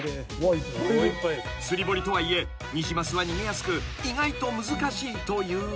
［釣り堀とはいえニジマスは逃げやすく意外と難しいというが］